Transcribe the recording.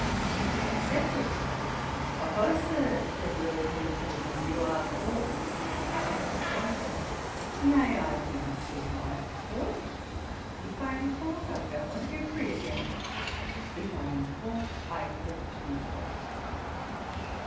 She accepted. 'Oho, Sir! (said Lord Newhaven) you are caught.' JOHNSON. 'Nay, I do not see how I am caught; but if I am caught, I don't want to get free again. If I am caught, I hope to be kept.'